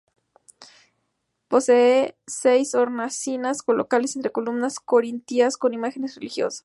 Posee seis hornacinas colocadas entre columnas corintias, con imágenes religiosas.